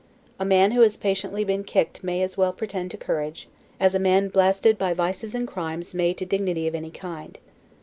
A man who has patiently been kicked may as well pretend to courage, as a man blasted by vices and crimes may to dignity of any kind.